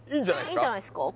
いいんじゃないっすか